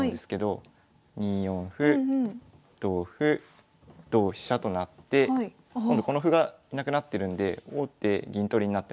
２四歩同歩同飛車となって今度この歩がなくなってるんで王手銀取りになってます。